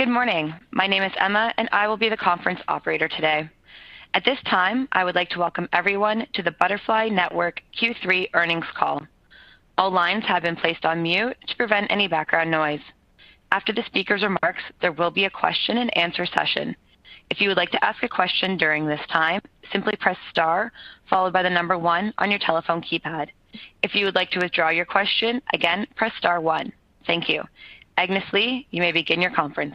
Good morning. My name is Emma, and I will be the conference operator today. At this time, I would like to welcome everyone to the Butterfly Network Q3 earnings call. All lines have been placed on mute to prevent any background noise. After the speaker's remarks, there will be a question-and-answer session. If you would like to ask a question during this time, simply press star followed by the number one on your telephone keypad. If you would like to withdraw your question, again, press star one. Thank you. Agnes Lee, you may begin your conference.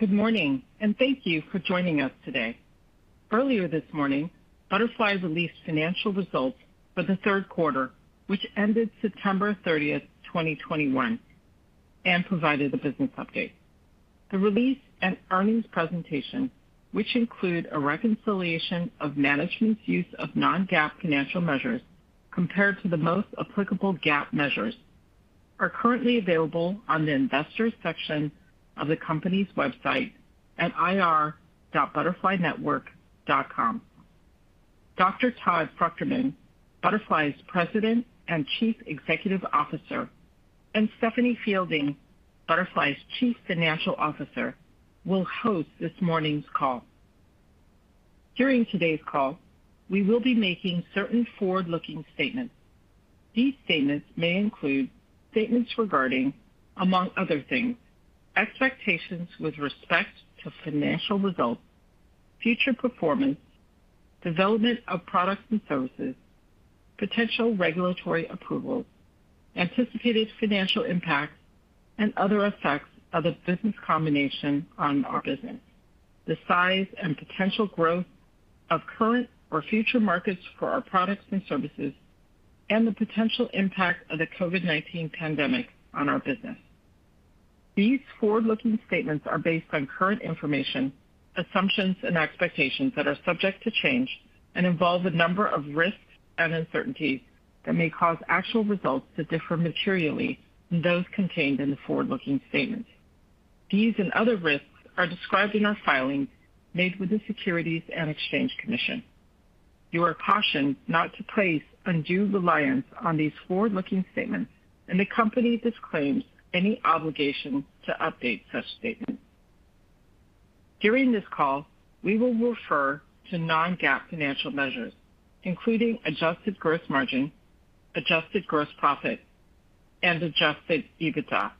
Good morning, and thank you for joining us today. Earlier this morning, Butterfly released financial results for the third quarter, which ended September 30th, 2021, and provided a business update. The release and earnings presentation, which include a reconciliation of management's use of non-GAAP financial measures compared to the most applicable GAAP measures, are currently available on the investors section of the company's website at ir.butterflynetwork.com. Dr. Todd Fruchterman, Butterfly's President and Chief Executive Officer, and Heather C. Getz, Butterfly's Chief Financial Officer, will host this morning's call. During today's call, we will be making certain forward-looking statements. These statements may include statements regarding, among other things, expectations with respect to financial results, future performance, development of products and services, potential regulatory approvals, anticipated financial impacts, and other effects of the business combination on our business, the size and potential growth of current or future markets for our products and services, and the potential impact of the COVID-19 pandemic on our business. These forward-looking statements are based on current information, assumptions and expectations that are subject to change and involve a number of risks and uncertainties that may cause actual results to differ materially from those contained in the forward-looking statements. These and other risks are described in our filings made with the Securities and Exchange Commission. You are cautioned not to place undue reliance on these forward-looking statements, and the company disclaims any obligation to update such statements. During this call, we will refer to non-GAAP financial measures, including adjusted gross margin, adjusted gross profit, and Adjusted EBITDA.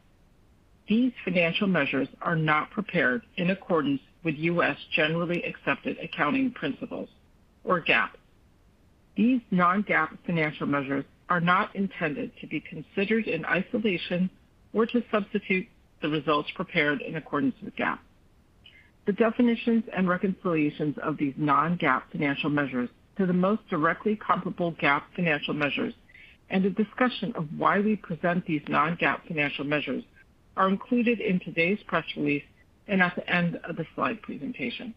These financial measures are not prepared in accordance with U.S. generally accepted accounting principles or GAAP. These non-GAAP financial measures are not intended to be considered in isolation or to substitute the results prepared in accordance with GAAP. The definitions and reconciliations of these non-GAAP financial measures to the most directly comparable GAAP financial measures and a discussion of why we present these non-GAAP financial measures are included in today's press release and at the end of the slide presentation.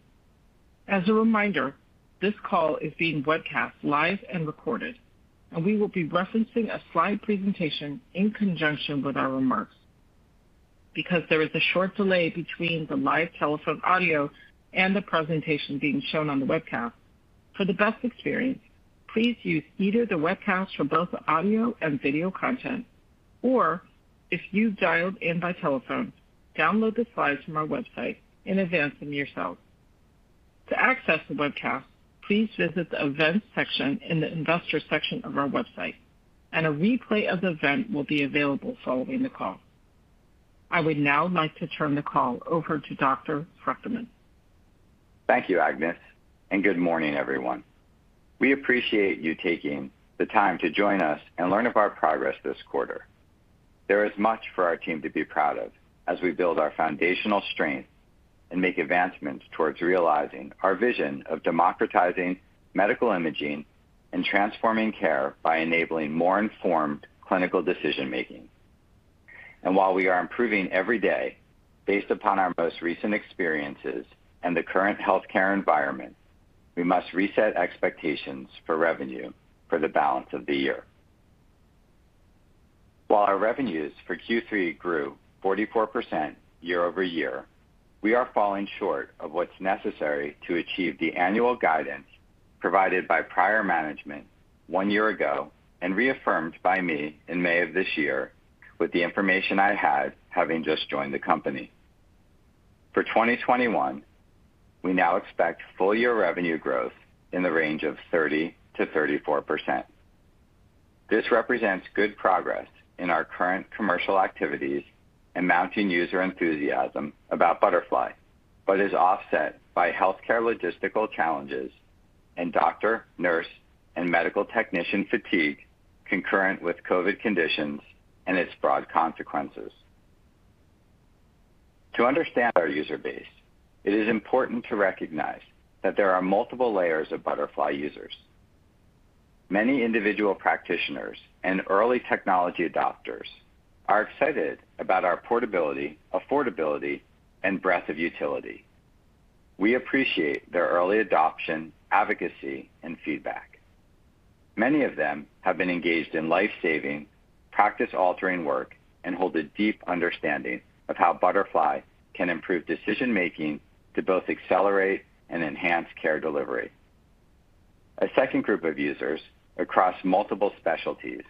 As a reminder, this call is being webcast live and recorded, and we will be referencing a slide presentation in conjunction with our remarks. Because there is a short delay between the live telephone audio and the presentation being shown on the webcast, for the best experience, please use either the webcast for both audio and video content, or if you've dialed in by telephone, download the slides from our website in advance and view yourself. To access the webcast, please visit the events section in the investor section of our website, and a replay of the event will be available following the call. I would now like to turn the call over to Dr. Fruchterman. Thank you, Agnes, and good morning, everyone. We appreciate you taking the time to join us and learn of our progress this quarter. There is much for our team to be proud of as we build our foundational strength and make advancements towards realizing our vision of democratizing medical imaging and transforming care by enabling more informed clinical decision-making. While we are improving every day, based upon our most recent experiences and the current healthcare environment, we must reset expectations for revenue for the balance of the year. While our revenues for Q3 grew 44% year-over-year, we are falling short of what's necessary to achieve the annual guidance provided by prior management one year ago and reaffirmed by me in May of this year with the information I had having just joined the company. For 2021, we now expect full-year revenue growth in the range of 30%-34%. This represents good progress in our current commercial activities and mounting user enthusiasm about Butterfly, but is offset by healthcare logistical challenges and doctor, nurse, and medical technician fatigue concurrent with COVID conditions and its broad consequences. To understand our user base, it is important to recognize that there are multiple layers of Butterfly users. Many individual practitioners and early technology adopters are excited about our portability, affordability, and breadth of utility. We appreciate their early adoption, advocacy, and feedback. Many of them have been engaged in life-saving, practice-altering work and hold a deep understanding of how Butterfly can improve decision-making to both accelerate and enhance care delivery. A second group of users across multiple specialties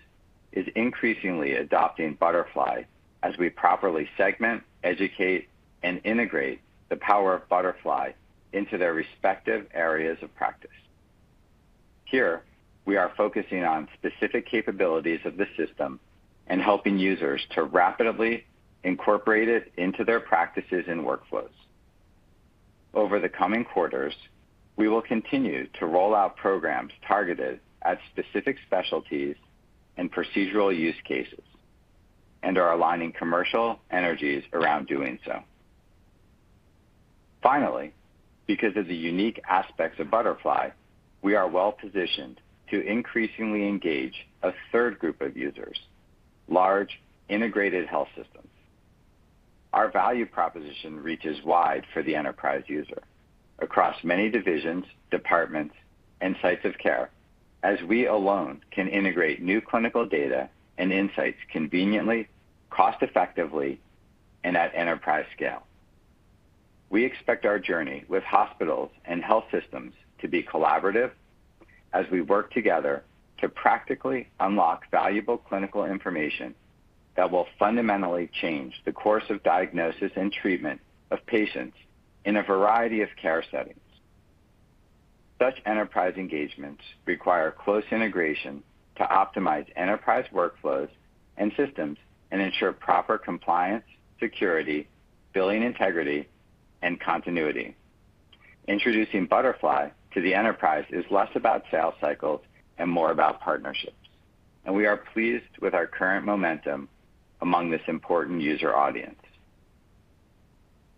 is increasingly adopting Butterfly as we properly segment, educate, and integrate the power of Butterfly into their respective areas of practice. Here we are focusing on specific capabilities of the system and helping users to rapidly incorporate it into their practices and workflows. Over the coming quarters, we will continue to roll out programs targeted at specific specialties and procedural use cases, and are aligning commercial energies around doing so. Finally, because of the unique aspects of Butterfly, we are well-positioned to increasingly engage a third group of users, large integrated health systems. Our value proposition reaches wide for the enterprise user across many divisions, departments, and sites of care, as we alone can integrate new clinical data and insights conveniently, cost-effectively, and at enterprise scale. We expect our journey with hospitals and health systems to be collaborative as we work together to practically unlock valuable clinical information that will fundamentally change the course of diagnosis and treatment of patients in a variety of care settings. Such enterprise engagements require close integration to optimize enterprise workflows and systems and ensure proper compliance, security, billing integrity and continuity. Introducing Butterfly to the enterprise is less about sales cycles and more about partnerships, and we are pleased with our current momentum among this important user audience.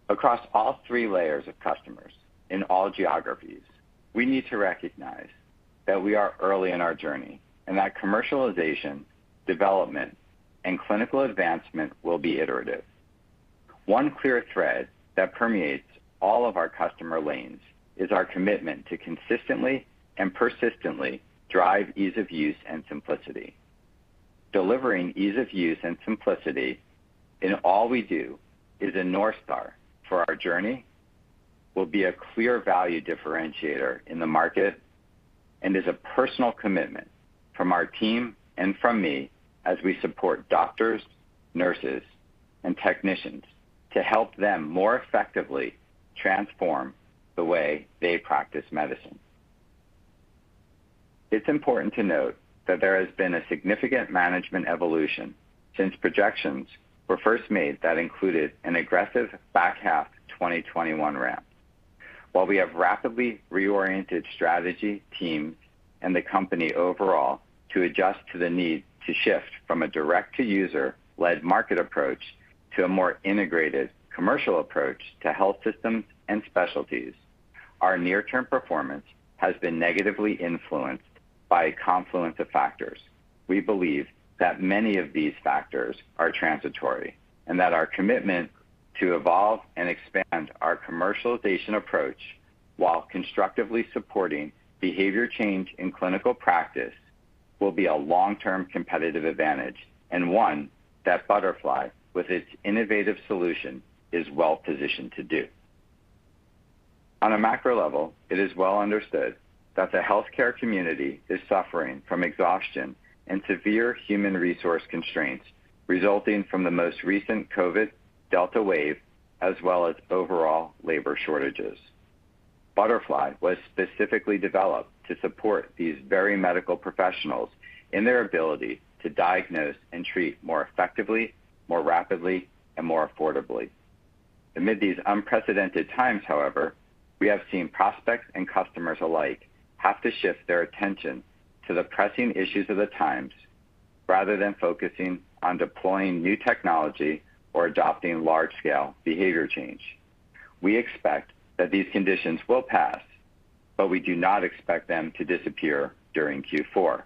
Across all three layers of customers in all geographies, we need to recognize that we are early in our journey and that commercialization, development and clinical advancement will be iterative. One clear thread that permeates all of our customer lanes is our commitment to consistently and persistently drive ease of use and simplicity. Delivering ease of use and simplicity in all we do is a north star for our journey, will be a clear value differentiator in the market, and is a personal commitment from our team and from me as we support doctors, nurses and technicians to help them more effectively transform the way they practice medicine. It's important to note that there has been a significant management evolution since projections were first made that included an aggressive back half 2021 ramp. While we have rapidly reoriented strategy teams and the company overall to adjust to the need to shift from a direct to user-led market approach to a more integrated commercial approach to health systems and specialties, our near-term performance has been negatively influenced by a confluence of factors. We believe that many of these factors are transitory, and that our commitment to evolve and expand our commercialization approach while constructively supporting behavior change in clinical practice will be a long-term competitive advantage, and one that Butterfly, with its innovative solution, is well positioned to do. On a macro level, it is well understood that the healthcare community is suffering from exhaustion and severe human resource constraints resulting from the most recent COVID Delta wave, as well as overall labor shortages. Butterfly was specifically developed to support these very medical professionals in their ability to diagnose and treat more effectively, more rapidly and more affordably. Amid these unprecedented times, however, we have seen prospects and customers alike have to shift their attention to the pressing issues of the times rather than focusing on deploying new technology or adopting large-scale behavior change. We expect that these conditions will pass, but we do not expect them to disappear during Q4.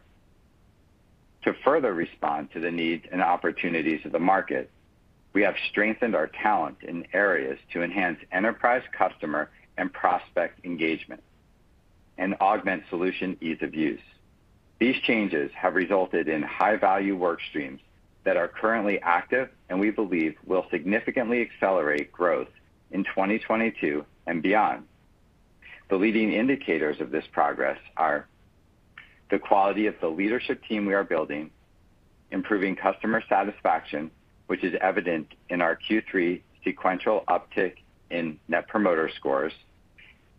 To further respond to the needs and opportunities of the market, we have strengthened our talent in areas to enhance enterprise customer and prospect engagement and augment solution ease of use. These changes have resulted in high value work streams that are currently active and we believe will significantly accelerate growth in 2022 and beyond. The leading indicators of this progress are the quality of the leadership team we are building, improving customer satisfaction, which is evident in our Q3 sequential uptick in Net Promoter Scores,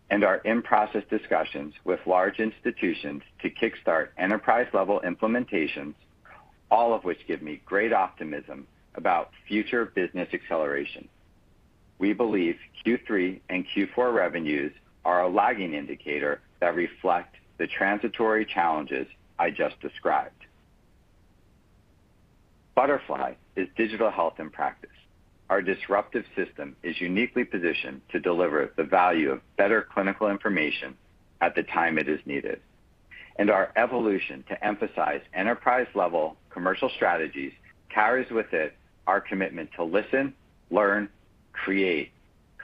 and our in-process discussions with large institutions to kickstart enterprise-level implementations, all of which give me great optimism about future business acceleration. We believe Q3 and Q4 revenues are a lagging indicator that reflect the transitory challenges I just described. Butterfly is digital health in practice. Our disruptive system is uniquely positioned to deliver the value of better clinical information at the time it is needed. Our evolution to emphasize enterprise-level commercial strategies carries with it our commitment to listen, learn, create,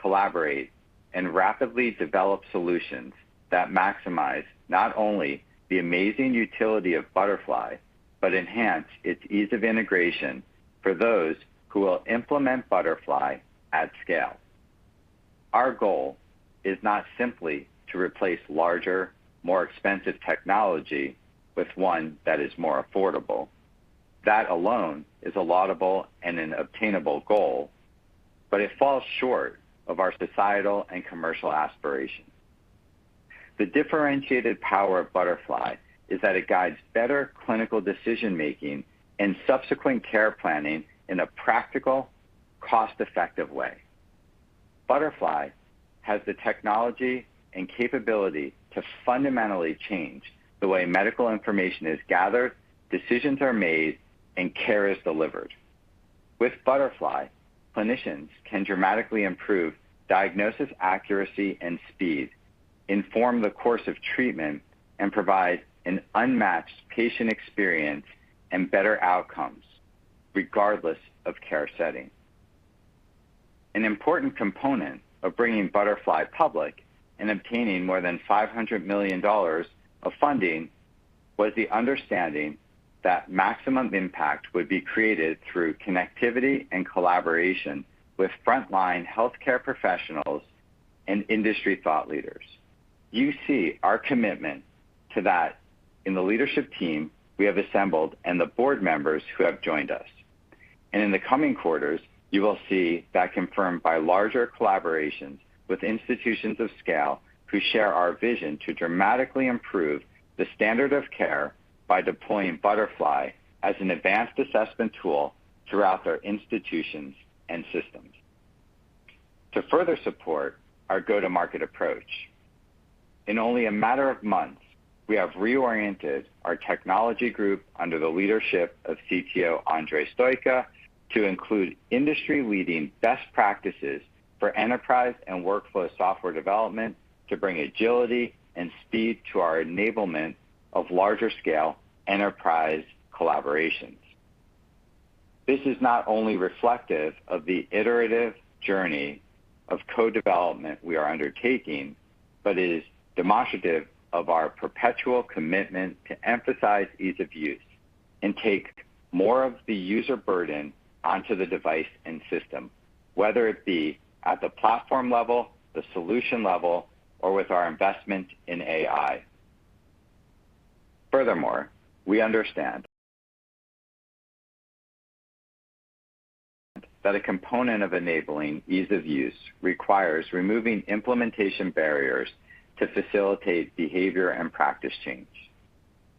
collaborate, and rapidly develop solutions that maximize not only the amazing utility of Butterfly, but enhance its ease of integration for those who will implement Butterfly at scale. Our goal is not simply to replace larger, more expensive technology with one that is more affordable. That alone is a laudable and an obtainable goal, but it falls short of our societal and commercial aspirations. The differentiated power of Butterfly is that it guides better clinical decision-making and subsequent care planning in a practical, cost-effective way. Butterfly has the technology and capability to fundamentally change the way medical information is gathered, decisions are made, and care is delivered. With Butterfly, clinicians can dramatically improve diagnosis accuracy and speed, inform the course of treatment, and provide an unmatched patient experience and better outcomes regardless of care setting. An important component of bringing Butterfly public and obtaining more than $500 million of funding was the understanding that maximum impact would be created through connectivity and collaboration with frontline healthcare professionals and industry thought leaders. You see our commitment to that in the leadership team we have assembled and the board members who have joined us. In the coming quarters, you will see that confirmed by larger collaborations with institutions of scale who share our vision to dramatically improve the standard of care by deploying Butterfly as an advanced assessment tool throughout their institutions and systems. To further support our go-to-market approach, in only a matter of months, we have reoriented our technology group under the leadership of CTO Andrei Stoica to include industry-leading best practices for enterprise and workflow software development to bring agility and speed to our enablement of larger scale enterprise collaborations. This is not only reflective of the iterative journey of co-development we are undertaking, but it is demonstrative of our perpetual commitment to emphasize ease of use and take more of the user burden onto the device and system, whether it be at the platform level, the solution level, or with our investment in AI. Furthermore, we understand that a component of enabling ease of use requires removing implementation barriers to facilitate behavior and practice change.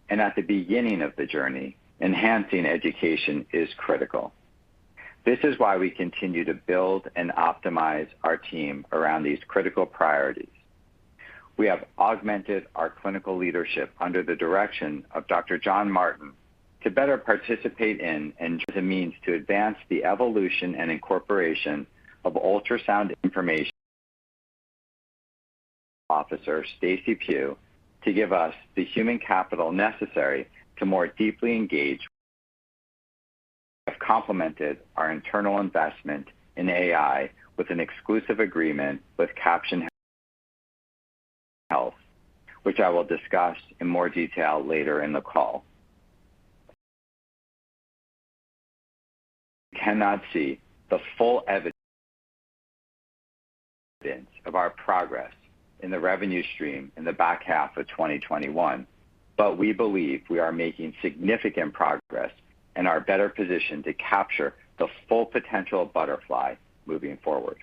At the beginning of the journey, enhancing education is critical. This is why we continue to build and optimize our team around these critical priorities. We have augmented our clinical leadership under the direction of Dr. John Martin to better participate in and as a means to advance the evolution and incorporation of ultrasound information, and Chief Commercial Officer Stacey Pugh to give us the human capital necessary to more deeply engage. We have complemented our internal investment in AI with an exclusive agreement with Caption Health, which I will discuss in more detail later in the call. We cannot see the full evidence of our progress in the revenue stream in the back half of 2021, but we believe we are making significant progress and are better positioned to capture the full potential of Butterfly moving forward.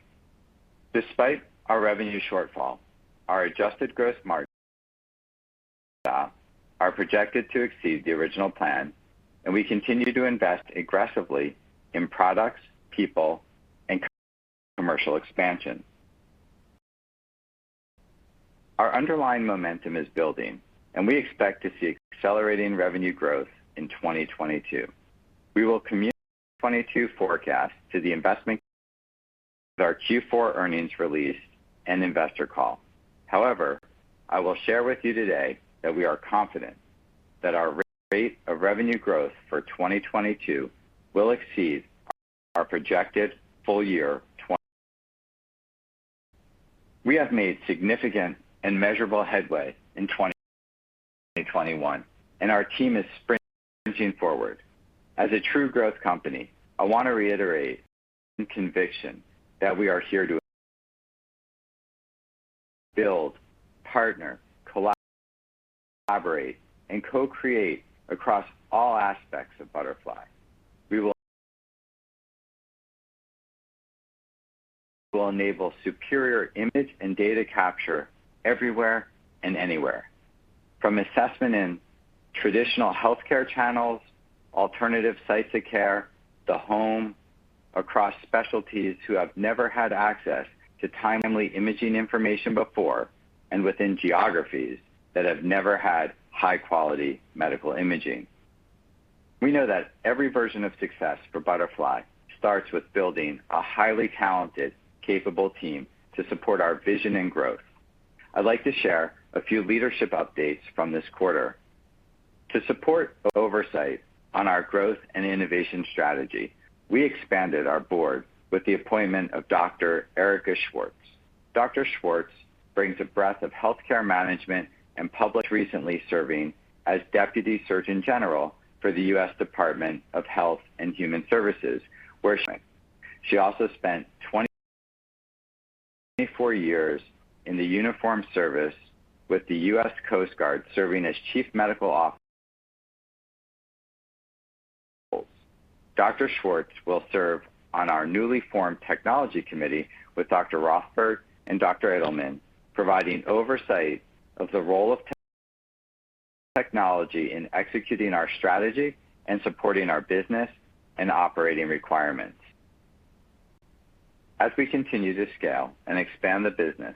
Despite our revenue shortfall, our adjusted gross margins are projected to exceed the original plan, and we continue to invest aggressively in products, people, and commercial expansion. Our underlying momentum is building, and we expect to see accelerating revenue growth in 2022. We will communicate our 2022 forecast to investors in our Q4 earnings release and investor call. However, I will share with you today that we are confident that our rate of revenue growth for 2022 will exceed our projected full year 2021. We have made significant and measurable headway in 2021, and our team is sprinting forward. As a true growth company, I want to reiterate conviction that we are here to build, partner, collaborate, and co-create across all aspects of Butterfly. We will enable superior image and data capture everywhere and anywhere, from assessment in traditional healthcare channels, alternative sites of care, the home, across specialties who have never had access to timely imaging information before, and within geographies that have never had high-quality medical imaging. We know that every version of success for Butterfly starts with building a highly talented, capable team to support our vision and growth. I'd like to share a few leadership updates from this quarter. To support oversight on our growth and innovation strategy, we expanded our board with the appointment of Dr. Erica Schwartz. Dr. Schwartz brings a breadth of healthcare management and public, recently serving as Deputy Surgeon General for the U.S. Department of Health and Human Services, where she. She also spent 24 years in the uniformed service with the U.S. Coast Guard, serving as Chief Medical Officer. Dr. Schwartz will serve on our newly formed technology committee with Dr. Rothberg and Dr. Edelman, providing oversight of the role of technology in executing our strategy and supporting our business and operating requirements. As we continue to scale and expand the business,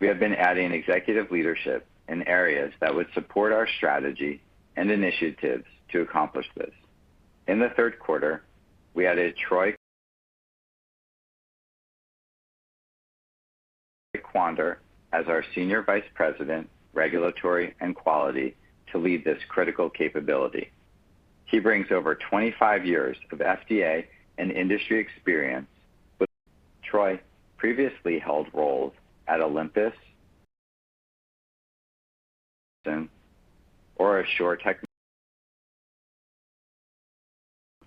we have been adding executive leadership in areas that would support our strategy and initiatives to accomplish this. In the third quarter, we added Troy Quander as our Senior Vice President, Regulatory and Quality to lead this critical capability. He brings over 25 years of FDA and industry experience, having previously held roles at Olympus,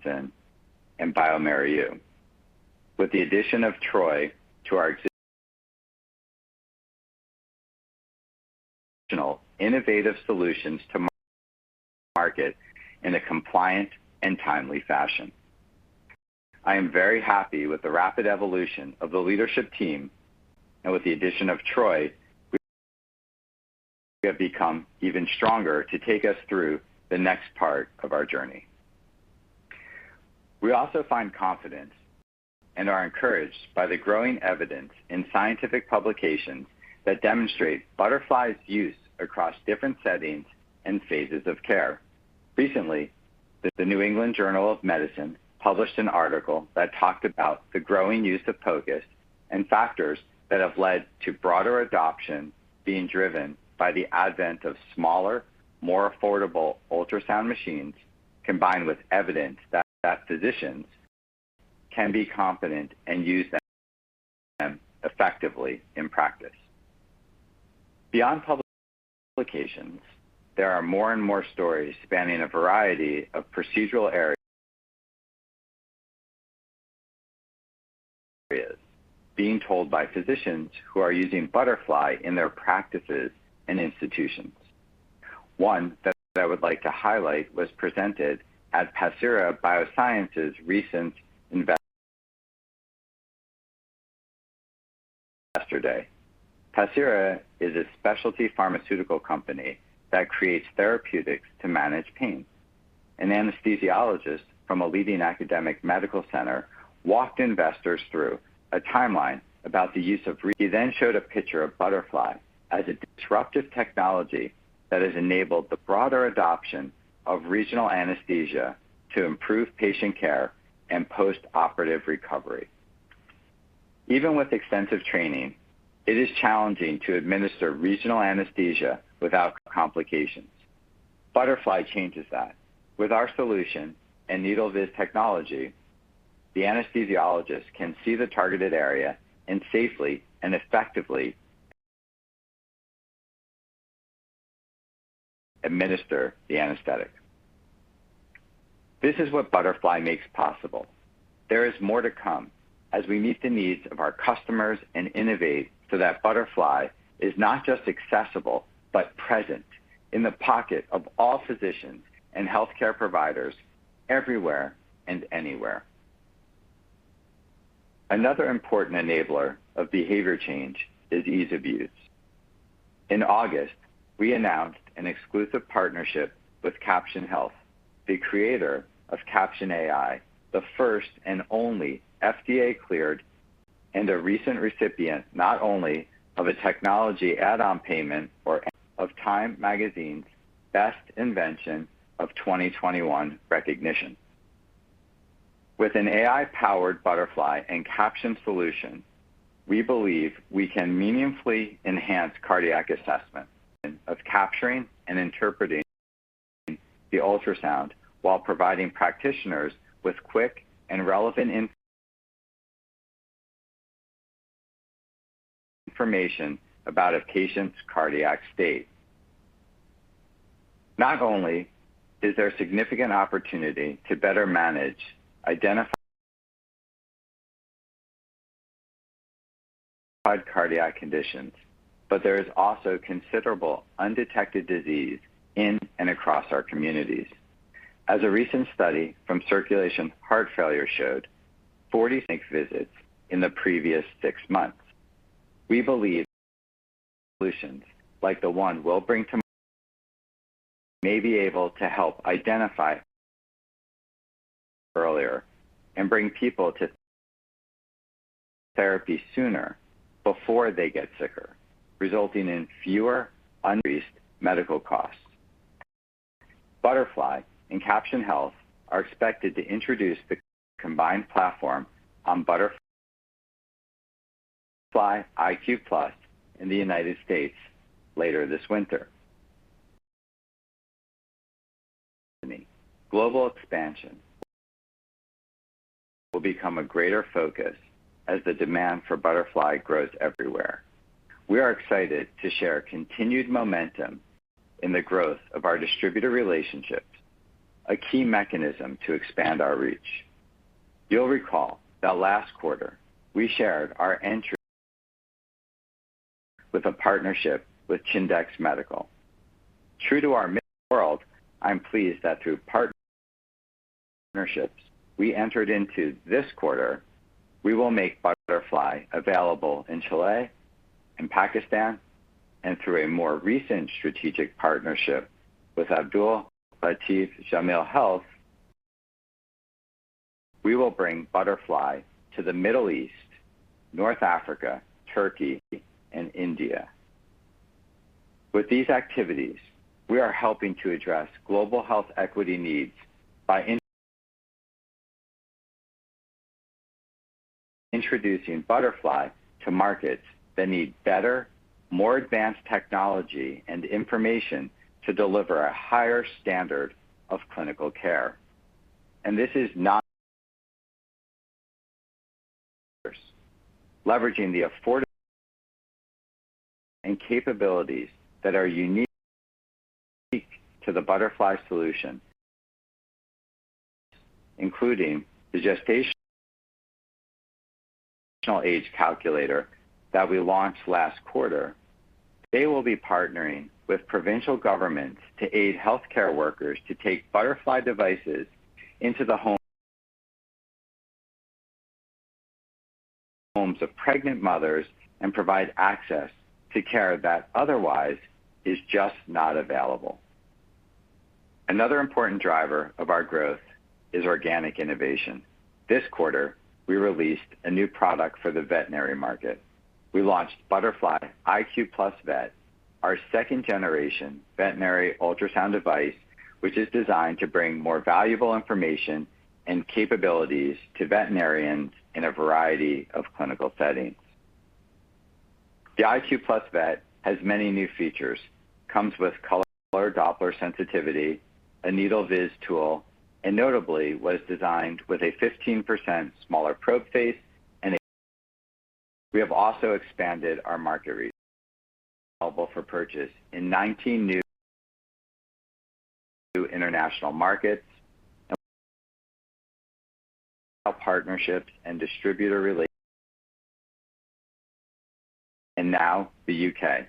OraSure Technologies and bioMérieux. With the addition of Troy, we can bring our existing innovative solutions to market in a compliant and timely fashion. I am very happy with the rapid evolution of the leadership team and with the addition of Troy. We have become even stronger to take us through the next part of our journey. We also find confidence and are encouraged by the growing evidence in scientific publications that demonstrate Butterfly's use across different settings and phases of care. Recently, the New England Journal of Medicine published an article that talked about the growing use of POCUS and factors that have led to broader adoption being driven by the advent of smaller, more affordable ultrasound machines, combined with evidence that physicians can be confident and use them effectively in practice. Beyond publications, there are more and more stories spanning a variety of procedural areas being told by physicians who are using Butterfly in their practices and institutions. One that I would like to highlight was presented at Pacira BioSciences' recent Investor Day. Pacira is a specialty pharmaceutical company that creates therapeutics to manage pain. An anesthesiologist from a leading academic medical center walked investors through a timeline about the use of. He then showed a picture of Butterfly as a disruptive technology that has enabled the broader adoption of regional anesthesia to improve patient care and post-operative recovery. Even with extensive training, it is challenging to administer regional anesthesia without complications. Butterfly changes that. With our solution and NeedleViz technology, the anesthesiologist can see the targeted area and safely and effectively administer the anesthetic. This is what Butterfly makes possible. There is more to come as we meet the needs of our customers and innovate so that Butterfly is not just accessible, but present in the pocket of all physicians and healthcare providers everywhere and anywhere. Another important enabler of behavior change is ease of use. In August, we announced an exclusive partnership with Caption Health, the creator of Caption AI, the first and only FDA-cleared and a recent recipient, not only of a technology add-on payment or of TIME magazine's Best Invention of 2021 recognition. With an AI-powered Butterfly and Caption solution, we believe we can meaningfully enhance cardiac assessment of capturing and interpreting the ultrasound while providing practitioners with quick and relevant information about a patient's cardiac state. Not only is there significant opportunity to better manage identified cardiac conditions, but there is also considerable undetected disease in and across our communities. A recent study from Circulation: Heart Failure showed 46 visits in the previous six months. We believe solutions like the one we'll bring to market may be able to help identify earlier and bring people to therapy sooner before they get sicker, resulting in lower medical costs. Butterfly and Caption Health are expected to introduce the combined platform on Butterfly iQ+ in the United States later this winter. Global expansion will become a greater focus as the demand for Butterfly grows everywhere. We are excited to share continued momentum in the growth of our distributor relationships, a key mechanism to expand our reach. You'll recall that last quarter we shared our entry into a partnership with Chindex Medical. True to our mission worldwide, I'm pleased that through partnerships we entered into this quarter, we will make Butterfly available in Chile and Pakistan, and through a more recent strategic partnership with Abdul Latif Jameel Health, we will bring Butterfly to the Middle East, North Africa, Turkey, and India. With these activities, we are helping to address global health equity needs by introducing Butterfly to markets that need better, more advanced technology and information to deliver a higher standard of clinical care. This is now leveraging the affordability and capabilities that are unique to the Butterfly solution, including the gestational age calculator that we launched last quarter. They will be partnering with provincial governments to aid healthcare workers to take Butterfly devices into the homes of pregnant mothers and provide access to care that otherwise is just not available. Another important driver of our growth is organic innovation. This quarter, we released a new product for the veterinary market. We launched Butterfly iQ+ Vet, our second generation veterinary ultrasound device, which is designed to bring more valuable information and capabilities to veterinarians in a variety of clinical settings. The iQ+ Vet has many new features, comes with color Doppler sensitivity, NeedleViz, and notably was designed with a 15% smaller probe face. We have also expanded our market available for purchase in 19 new international markets. Partnerships and distributor relations, and now the U.K.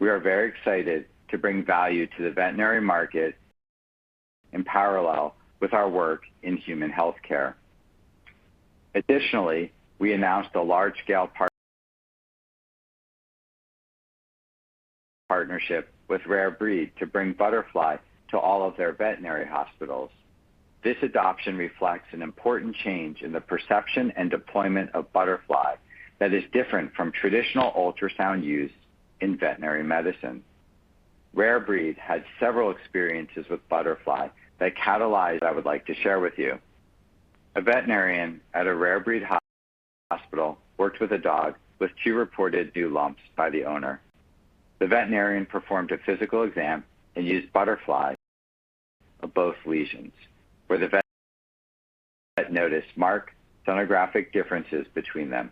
We are very excited to bring value to the veterinary market in parallel with our work in human healthcare. Additionally, we announced a large-scale partnership with Rarebreed to bring Butterfly to all of their veterinary hospitals. This adoption reflects an important change in the perception and deployment of Butterfly that is different from traditional ultrasound use in veterinary medicine. Rarebreed had several experiences with Butterfly that I would like to share with you. A veterinarian at a Rarebreed hospital worked with a dog with two reported new lumps by the owner. The veterinarian performed a physical exam and used Butterfly on both lesions, where the vet noticed marked sonographic differences between them.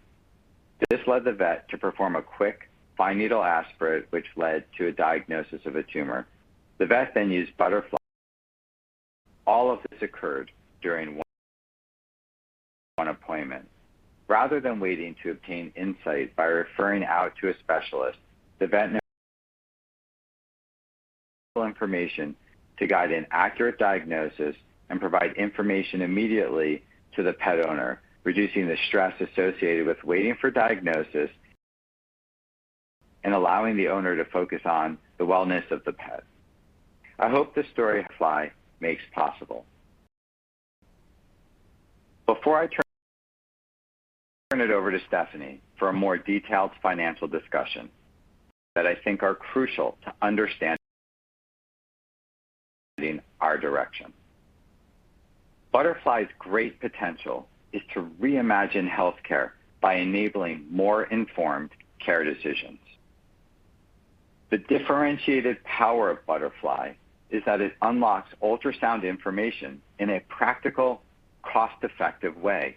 This led the vet to perform a quick fine needle aspirate, which led to a diagnosis of a tumor. The vet then used Butterfly. All of this occurred during one appointment. Rather than waiting to obtain insight by referring out to a specialist, the vet used the information to guide an accurate diagnosis and provide information immediately to the pet owner, reducing the stress associated with waiting for diagnosis and allowing the owner to focus on the wellness of the pet. I hope this story shows what Butterfly makes possible. Before I turn it over to Stephanie for a more detailed financial discussion that I think are crucial to understanding our direction. Butterfly's great potential is to reimagine healthcare by enabling more informed care decisions. The differentiated power of Butterfly is that it unlocks ultrasound information in a practical, cost-effective way.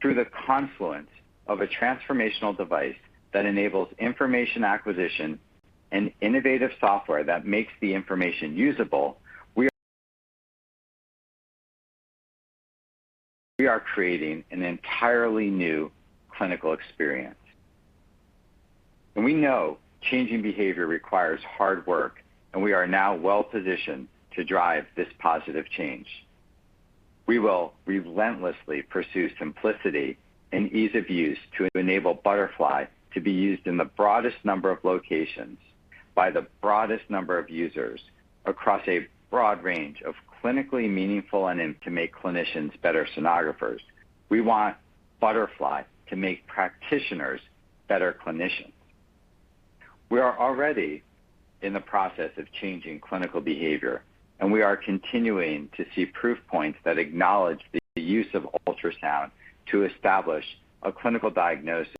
Through the confluence of a transformational device that enables information acquisition and innovative software that makes the information usable, we are creating an entirely new clinical experience. We know changing behavior requires hard work, and we are now well-positioned to drive this positive change. We will relentlessly pursue simplicity and ease of use to enable Butterfly to be used in the broadest number of locations by the broadest number of users across a broad range of clinically meaningful and to make clinicians better sonographers. We want Butterfly to make practitioners better clinicians. We are already in the process of changing clinical behavior, and we are continuing to see proof points that acknowledge the use of ultrasound to establish a clinical diagnosis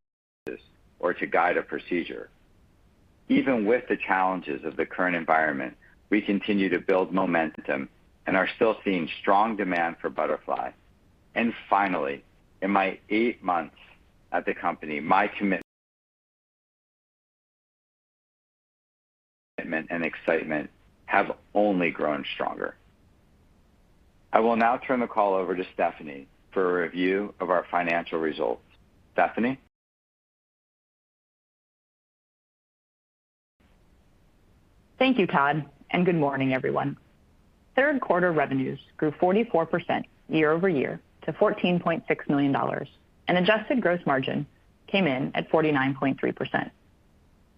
or to guide a procedure. Even with the challenges of the current environment, we continue to build momentum and are still seeing strong demand for Butterfly. Finally, in my eight months at the company, my commitment and excitement have only grown stronger. I will now turn the call over to Stephanie for a review of our financial results. Stephanie? Thank you, Todd, and good morning, everyone. Third quarter revenues grew 44% year-over-year to $14.6 million. Adjusted gross margin came in at 49.3%.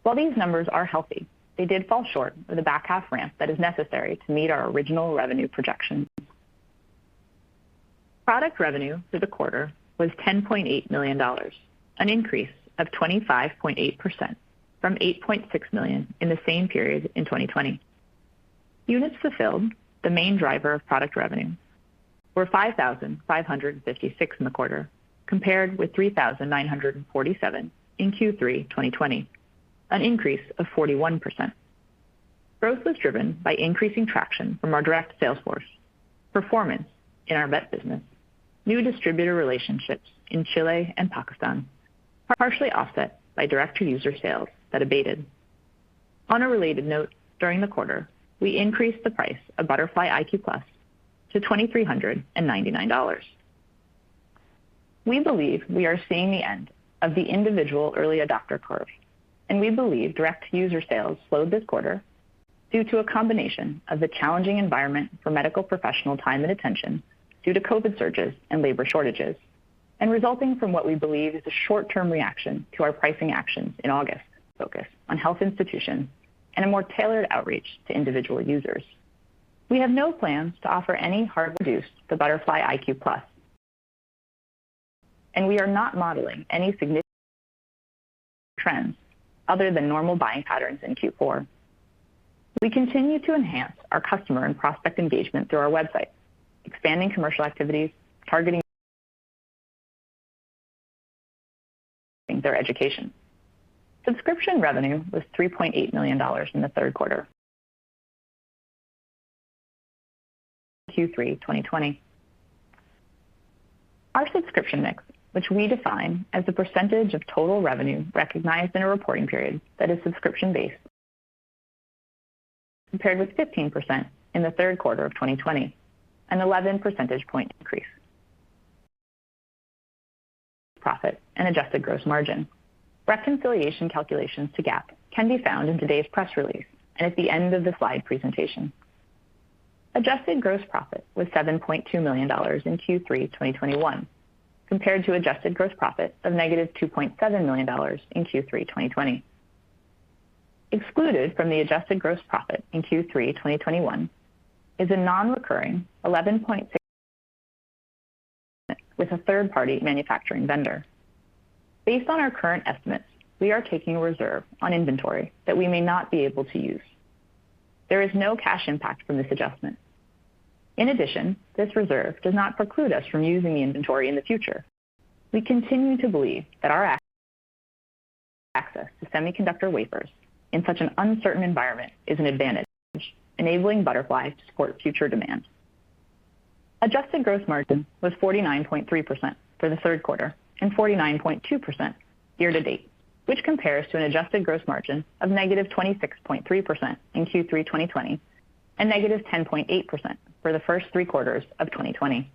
While these numbers are healthy, they did fall short of the back half ramp that is necessary to meet our original revenue projections. Product revenue for the quarter was $10.8 million, an increase of 25.8% from $8.6 million in the same period in 2020. Units fulfilled, the main driver of product revenue, were 5,556 in the quarter, compared with 3,947 in Q3 2020, an increase of 41%. Growth was driven by increasing traction from our direct sales force, performance in our vet business. New distributor relationships in Chile and Pakistan are partially offset by direct-to-user sales that abated. On a related note, during the quarter, we increased the price of Butterfly iQ+ to $2,399. We believe we are seeing the end of the individual early adopter curve, and we believe direct user sales slowed this quarter due to a combination of the challenging environment for medical professional time and attention due to COVID surges and labor shortages, and resulting from what we believe is a short-term reaction to our pricing actions in August, focus on health institutions and a more tailored outreach to individual users. We have no plans to offer any hard discounts to Butterfly iQ+. We are not modeling any significant trends other than normal buying patterns in Q4. We continue to enhance our customer and prospect engagement through our website, expanding commercial activities, targeting their education. Subscription revenue was $3.8 million in the third quarter. Q3 2020. Our subscription mix, which we define as the percentage of total revenue recognized in a reporting period that is subscription-based, compared with 15% in the third quarter of 2020, an 11 percentage point increase. Profit and adjusted gross margin. Reconciliation calculations to GAAP can be found in today's press release and at the end of the slide presentation. Adjusted gross profit was $7.2 million in Q3 2021 compared to adjusted gross profit of -$2.7 million in Q3 2020. Excluded from the adjusted gross profit in Q3 2021 is a non-recurring $11.6 million with a third-party manufacturing vendor. Based on our current estimates, we are taking a reserve on inventory that we may not be able to use. There is no cash impact from this adjustment. In addition, this reserve does not preclude us from using the inventory in the future. We continue to believe that our access to semiconductor wafers in such an uncertain environment is an advantage, enabling Butterfly to support future demand. Adjusted gross margin was 49.3% for the third quarter and 49.2% year-to-date, which compares to an adjusted gross margin of -26.3% in Q3 2020 and -10.8% for the first three quarters of 2020.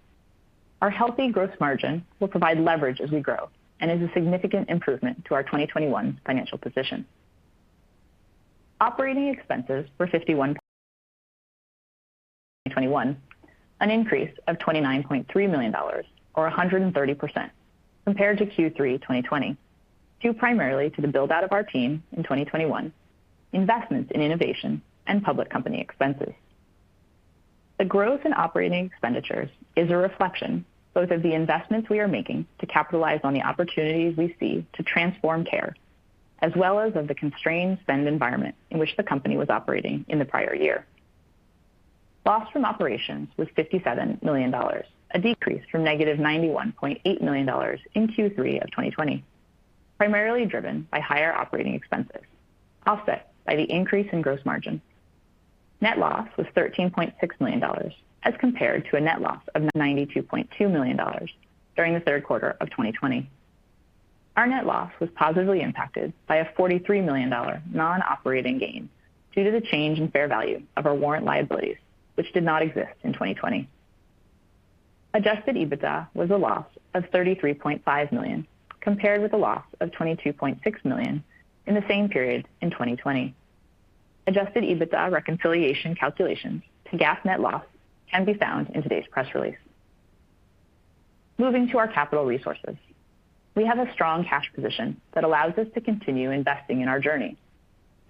Our healthy gross margin will provide leverage as we grow and is a significant improvement to our 2021 financial position. Operating expenses were $51 million in 2021, an increase of $29.3 million or 130% compared to Q3 2020, due primarily to the build-out of our team in 2021, investments in innovation and public company expenses. The growth in operating expenditures is a reflection both of the investments we are making to capitalize on the opportunities we see to transform care, as well as of the constrained spend environment in which the company was operating in the prior year. Loss from operations was $57 million, a decrease from -$91.8 million in Q3 2020, primarily driven by the increase in gross margin, offset by higher operating expenses. Net loss was $13.6 million, as compared to a net loss of $92.2 million during the third quarter of 2020. Our net loss was positively impacted by a $43 million non-operating gain due to the change in fair value of our warrant liabilities, which did not exist in 2020. Adjusted EBITDA was a loss of $33.5 million, compared with a loss of $22.6 million in the same period in 2020. Adjusted EBITDA reconciliation calculations to GAAP net loss can be found in today's press release. Moving to our capital resources. We have a strong cash position that allows us to continue investing in our journey.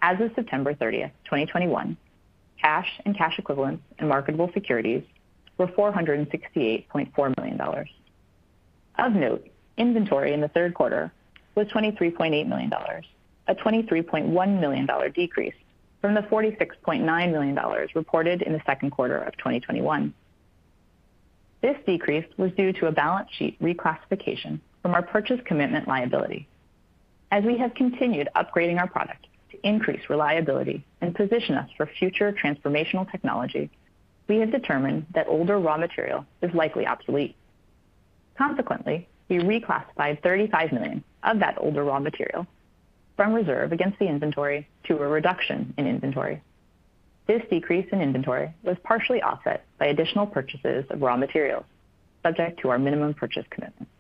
As of September 30th, 2021, cash and cash equivalents and marketable securities were $468.4 million. Of note, inventory in the third quarter was $23.8 million, a $23.1 million decrease from the $46.9 million reported in the second quarter of 2021. This decrease was due to a balance sheet reclassification from our purchase commitment liability. As we have continued upgrading our product to increase reliability and position us for future transformational technology, we have determined that older raw material is likely obsolete. Consequently, we reclassified $35 million of that older raw material from reserve against the inventory to a reduction in inventory. This decrease in inventory was partially offset by additional purchases of raw materials subject to our minimum purchase commitments.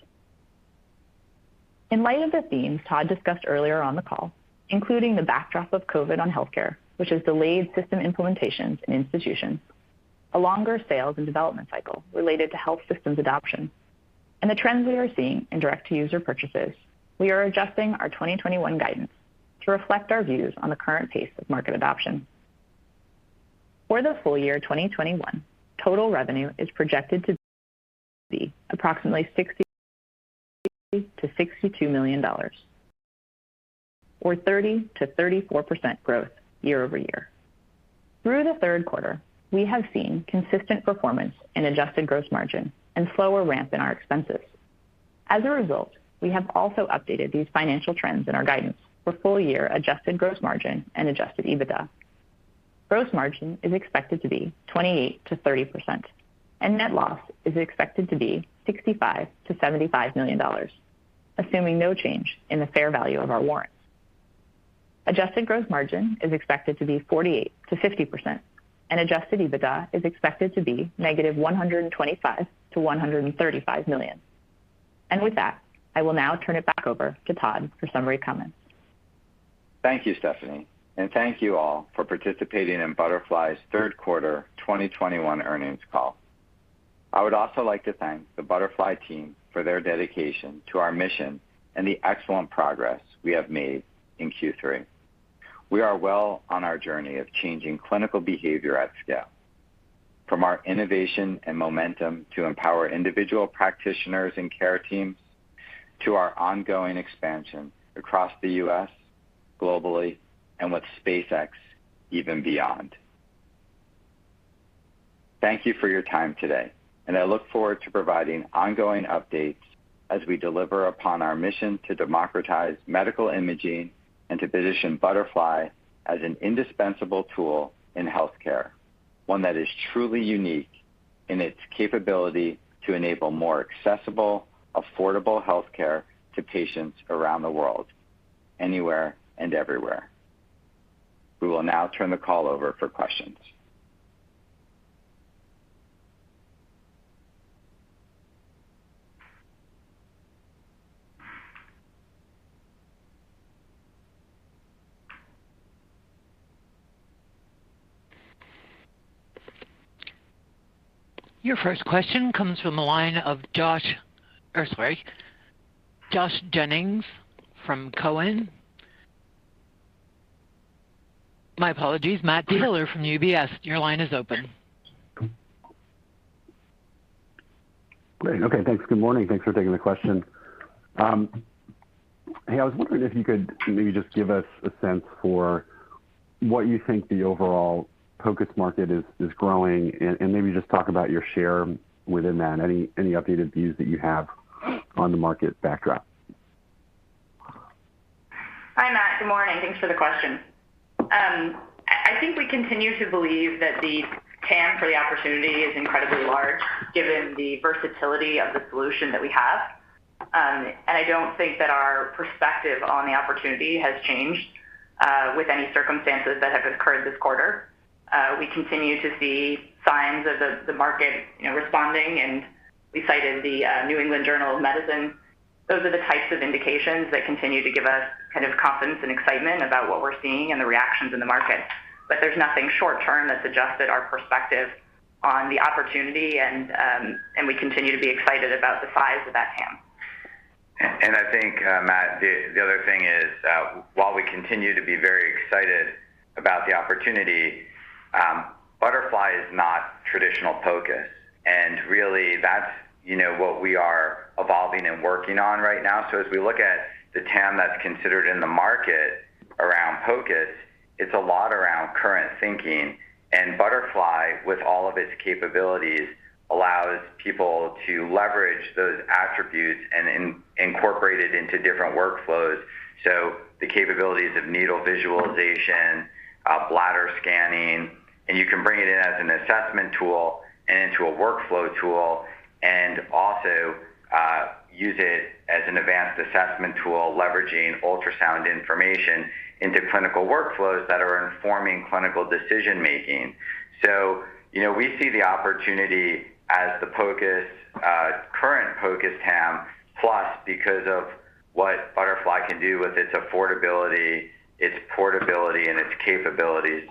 In light of the themes Todd discussed earlier on the call, including the backdrop of COVID on healthcare, which has delayed system implementations in institutions, a longer sales and development cycle related to health systems adoption and the trends we are seeing in direct-to-user purchases, we are adjusting our 2021 guidance to reflect our views on the current pace of market adoption. For the full year 2021, total revenue is projected to be approximately $60 million-$62 million or 30%-34% growth year-over-year. Through the third quarter, we have seen consistent performance in adjusted gross margin and slower ramp in our expenses. As a result, we have also updated these financial trends in our guidance for full year adjusted gross margin and adjusted EBITDA. Gross margin is expected to be 28%-30%, and net loss is expected to be $65 million-$75 million, assuming no change in the fair value of our warrants. Adjusted gross margin is expected to be 48%-50%, and Adjusted EBITDA is expected to be -$125 million-$135 million. With that, I will now turn it back over to Todd for summary comments. Thank you, Stephanie, and thank you all for participating in Butterfly's third quarter 2021 earnings call. I would also like to thank the Butterfly team for their dedication to our mission and the excellent progress we have made in Q3. We are well on our journey of changing clinical behavior at scale from our innovation and momentum to empower individual practitioners and care teams to our ongoing expansion across the U.S. globally and with SpaceX even beyond. Thank you for your time today, and I look forward to providing ongoing updates as we deliver upon our mission to democratize medical imaging and to position Butterfly as an indispensable tool in healthcare, one that is truly unique in its capability to enable more accessible, affordable healthcare to patients around the world, anywhere and everywhere. We will now turn the call over for questions. Your first question comes from the line of Josh, oh, sorry. Josh Jennings from Cowen. My apologies. Matt Miksic from UBS. Your line is open. Great. Okay. Thanks. Good morning. Thanks for taking the question. Hey, I was wondering if you could maybe just give us a sense for what you think the overall POCUS market is growing, and maybe just talk about your share within that. Any updated views that you have on the market backdrop. Hi, Matt. Good morning. Thanks for the question. I think we continue to believe that the TAM for the opportunity is incredibly large given the versatility of the solution that we have. I don't think that our perspective on the opportunity has changed with any circumstances that have occurred this quarter. We continue to see signs of the market, you know, responding, and we cited the New England Journal of Medicine. Those are the types of indications that continue to give us kind of confidence and excitement about what we're seeing and the reactions in the market. There's nothing short term that's adjusted our perspective on the opportunity and we continue to be excited about the size of that TAM. I think, Matt, the other thing is, while we continue to be very excited about the opportunity, Butterfly is not traditional POCUS, and really that's, you know, what we are evolving and working on right now. As we look at the TAM that's considered in the market around POCUS, it's a lot around current thinking. Butterfly with all of its capabilities allows people to leverage those attributes and incorporate it into different workflows. The capabilities of needle visualization, bladder scanning, and you can bring it in as an assessment tool and into a workflow tool and also, use it as an advanced assessment tool, leveraging ultrasound information into clinical workflows that are informing clinical decision making. You know, we see the opportunity as the POCUS, current POCUS TAM plus because of what Butterfly can do with its affordability, its portability, and its capabilities.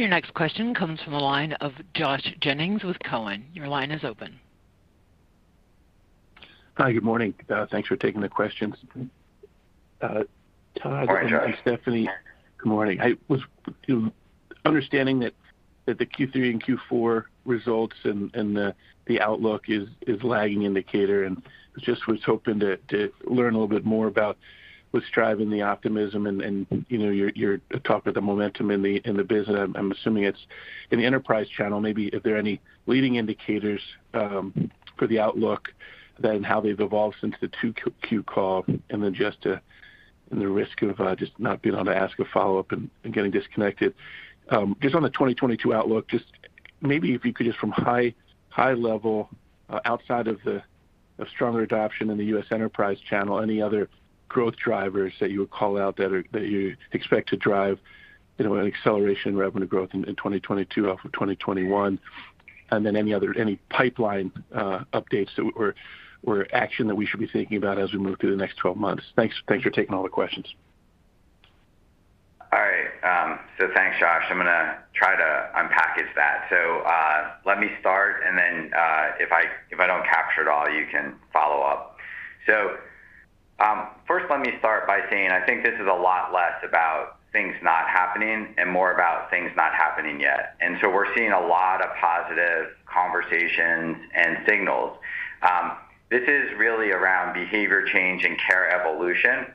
Your next question comes from the line of Joshua Jennings with Cowen. Your line is open. Hi. Good morning. Thanks for taking the questions. Todd- Morning, Josh. Stephanie, good morning. I understand that the Q3 and Q4 results and the outlook is lagging indicator, and just was hoping to learn a little bit more about what's driving the optimism and, you know, your talk of the momentum in the business. I'm assuming it's in the enterprise channel. Maybe are there any leading indicators for the outlook then how they've evolved since the Q2 call. Just to the risk of just not being able to ask a follow-up and getting disconnected. Just on the 2022 outlook, just maybe if you could just from high, high level, outside of the stronger adoption in the U.S. enterprise channel, any other growth drivers that you would call out that you expect to drive, you know, an acceleration in revenue growth in 2022 off of 2021. Any pipeline updates or action that we should be thinking about as we move through the next 12 months. Thanks for taking all the questions. All right. Thanks, Josh. I'm gonna try to unpack that. Let me start, and then, if I don't capture it all, you can follow up. First let me start by saying I think this is a lot less about things not happening and more about things not happening yet. We're seeing a lot of positive conversations and signals. This is really around behavior change and care evolution.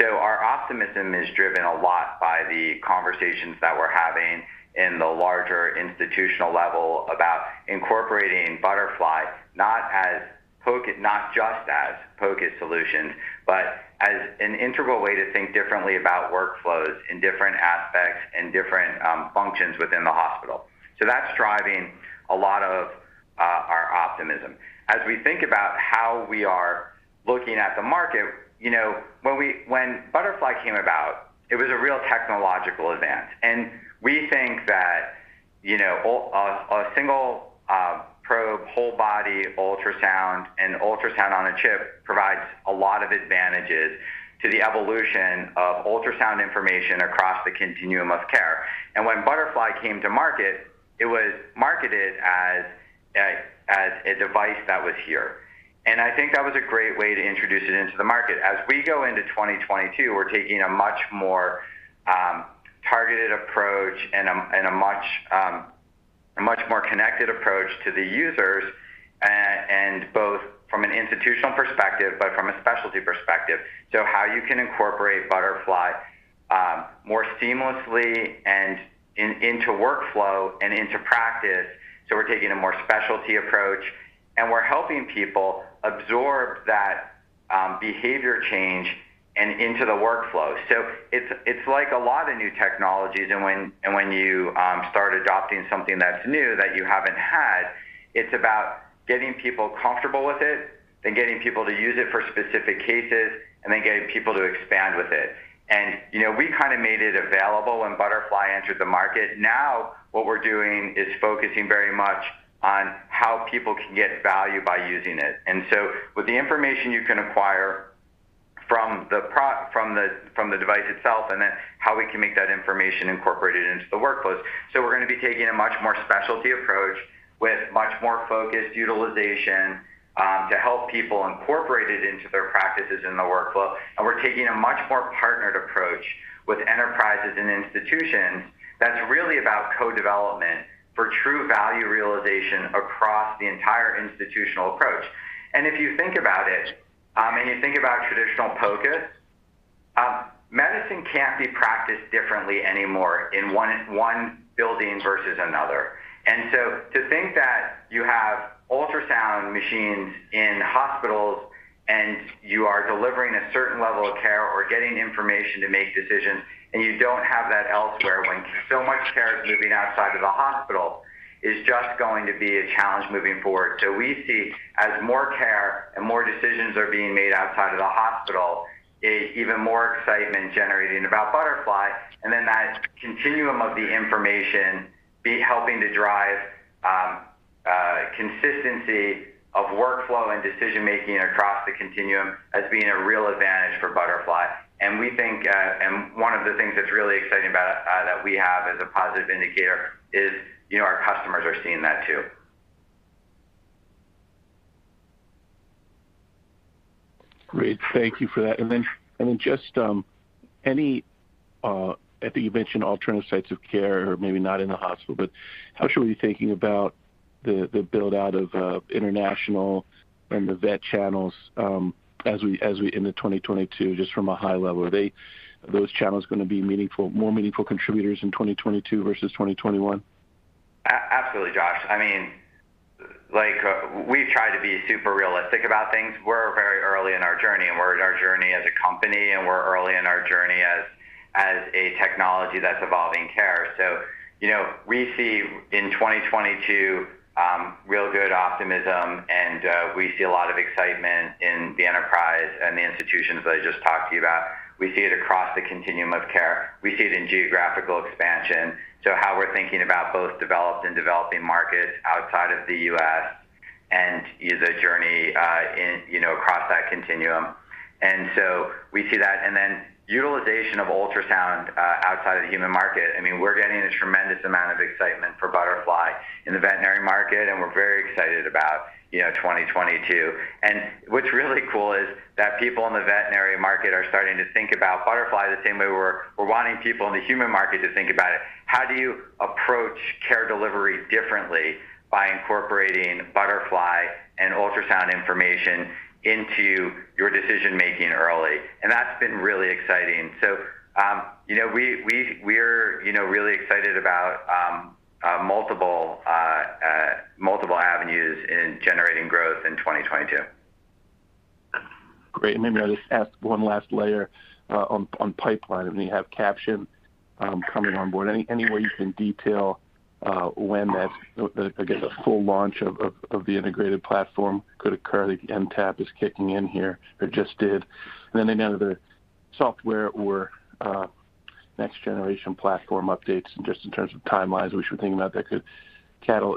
Our optimism is driven a lot by the conversations that we're having in the larger institutional level about incorporating Butterfly not just as focus solutions, but as an integral way to think differently about workflows in different aspects and different functions within the hospital. That's driving a lot of our optimism. As we think about how we are looking at the market, when Butterfly came about, it was a real technological advance. We think that a single probe whole-body ultrasound and ultrasound on a chip provides a lot of advantages to the evolution of ultrasound information across the continuum of care. When Butterfly came to market, it was marketed as a device that was here. I think that was a great way to introduce it into the market. As we go into 2022, we're taking a much more targeted approach and a much more connected approach to the users, and both from an institutional perspective, but from a specialty perspective. How you can incorporate Butterfly more seamlessly into workflow and into practice. We're taking a more specialty approach, and we're helping people absorb that behavior change and into the workflow. It's like a lot of new technologies, and when you start adopting something that's new that you haven't had, it's about getting people comfortable with it, then getting people to use it for specific cases, and then getting people to expand with it. You know, we kind of made it available when Butterfly entered the market. Now what we're doing is focusing very much on how people can get value by using it. With the information you can acquire from the device itself, and then how we can make that information incorporated into the workflows. We're going to be taking a much more specialty approach with much more focused utilization to help people incorporate it into their practices in the workflow. We're taking a much more partnered approach with enterprises and institutions that's really about co-development for true value realization across the entire institutional approach. If you think about it, and you think about traditional focus, medicine can't be practiced differently anymore in one building versus another. To think that you have ultrasound machines in hospitals and you are delivering a certain level of care or getting information to make decisions, and you don't have that elsewhere when so much care is moving outside of the hospital is just going to be a challenge moving forward. We see as more care and more decisions are being made outside of the hospital is even more excitement generating about Butterfly. That continuum of the information being helping to drive consistency of workflow and decision-making across the continuum as being a real advantage for Butterfly. We think, and one of the things that's really exciting about that we have as a positive indicator is, you know, our customers are seeing that too. Great. Thank you for that. Just any, I think you mentioned alternative sites of care or maybe not in the hospital, but how should we be thinking about the build-out of international and the vet channels, as we into 2022, just from a high level? Are those channels gonna be more meaningful contributors in 2022 versus 2021? Absolutely, Josh. I mean, like, we try to be super realistic about things. We're very early in our journey, and we're in our journey as a company, and we're early in our journey as a technology that's evolving care. You know, we see in 2022 real good optimism, and we see a lot of excitement in the enterprise that I just talked to you about. We see it across the continuum of care. We see it in geographical expansion. How we're thinking about both developed and developing markets outside of the U.S. and is a journey, you know, across that continuum. Utilization of ultrasound outside of the human market, I mean, we're getting a tremendous amount of excitement for Butterfly in the veterinary market, and we're very excited about, you know, 2022. What's really cool is that people in the veterinary market are starting to think about Butterfly the same way we're wanting people in the human market to think about it. How do you approach care delivery differently by incorporating Butterfly and ultrasound information into your decision-making early? That's been really exciting. You know, we're, you know, really excited about multiple avenues in generating growth in 2022. Great. Maybe I'll just ask one last layer on pipeline. I mean, you have Caption coming on board. Any way you can detail when that, the, I guess, the full launch of the integrated platform could occur? The NTAP is kicking in here, or just did. Then any other software or next generation platform updates, just in terms of timelines we should think about that could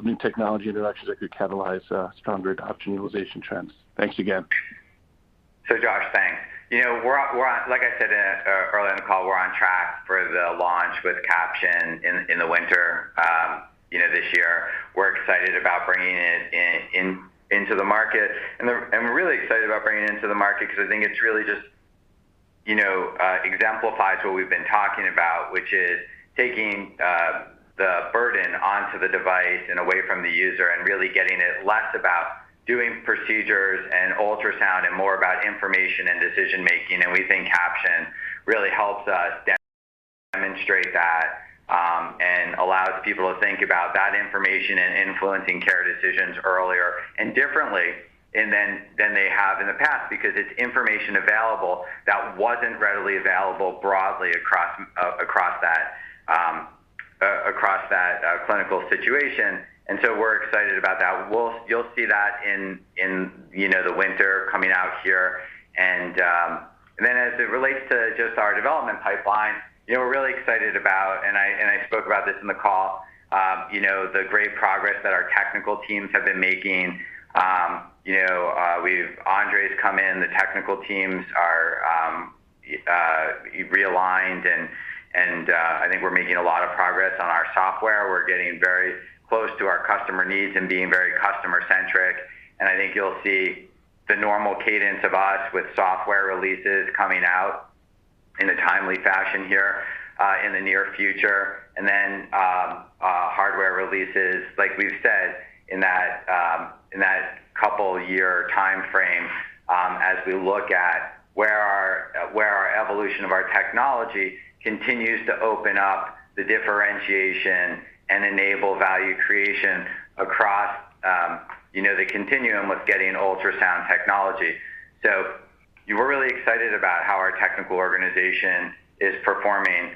new technology introductions that could catalyze stronger adoption utilization trends. Thanks again. Josh, thanks. Like I said early in the call, we're on track for the launch with Caption in the winter this year. We're excited about bringing it into the market. We're really excited about bringing it into the market because I think it's really just exemplifies what we've been talking about, which is taking the burden onto the device and away from the user and really getting it less about doing procedures and ultrasound and more about information and decision making. We think Caption really helps us demonstrate that, and allows people to think about that information and influencing care decisions earlier and differently than they have in the past, because it's information available that wasn't readily available broadly across that clinical situation. We're excited about that. You'll see that in, you know, the winter coming out here. As it relates to just our development pipeline, you know, we're really excited about, and I spoke about this in the call, you know, the great progress that our technical teams have been making. Andre's come in, the technical teams are realigned, and I think we're making a lot of progress on our software. We're getting very close to our customer needs and being very customer-centric. I think you'll see the normal cadence of us with software releases coming out in a timely fashion here, in the near future. Hardware releases, like we've said, in that couple year timeframe, as we look at where our evolution of our technology continues to open up the differentiation and enable value creation across, you know, the continuum with getting ultrasound technology. We're really excited about how our technical organization is performing.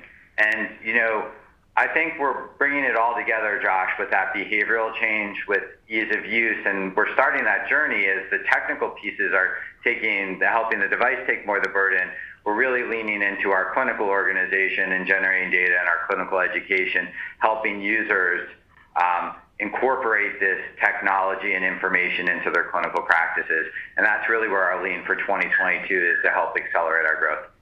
You know, I think we're bringing it all together, Josh, with that behavioral change, with ease of use, and we're starting that journey as the technical pieces are taking—they're helping the device take more of the burden. We're really leaning into our clinical organization and generating data and our clinical education, helping users, incorporate this technology and information into their clinical practices. That's really where our lean for 2022 is to help accelerate our growth.